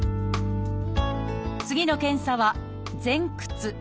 次の検査は「前屈」。